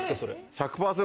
１００％